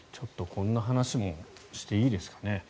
こんな話もしていいですかね？